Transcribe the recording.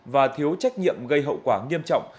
và thiếu trách nhiệm gây hậu quả nghiêm trọng